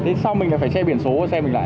thế sao mình lại phải che biển số xe mình lại